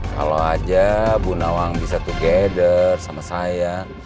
kalau aja bu nawang bisa together sama saya